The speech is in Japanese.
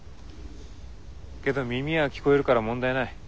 けど耳は聞こえるから問題ない。